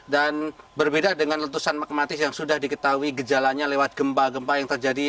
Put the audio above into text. dan berbeda dengan letusan magmatis yang sudah diketahui gejalanya lewat gempa gempa yang terjadi